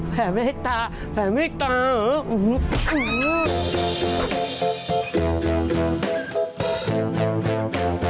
แผลไม่ให้ตาแผลไม่ให้ตาเหรออื้อหือ